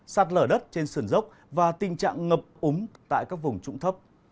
sát lở đất trên sườn dốc và tình trạng ngập úm tại các vùng trụng thấp